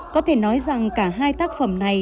có thể nói rằng cả hai tác phẩm này